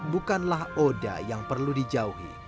bukanlah oda yang perlu dijauhi